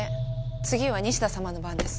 次は西田さまの番です。